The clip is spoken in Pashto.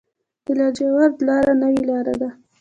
د لاجوردو لاره نوې لاره ده